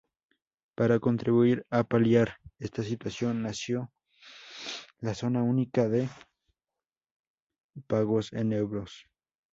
Para contribuir a paliar esta situación nació la Zona Única de Pagos en Euros.